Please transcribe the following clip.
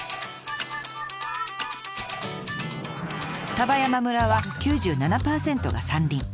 丹波山村は９７％が山林。